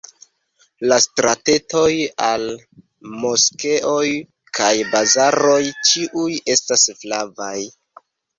La stratetoj al moskeoj kaj bazaroj ĉiuj estas flavaj.